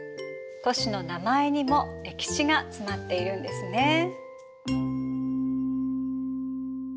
都市の名前にも歴史が詰まっているんですね。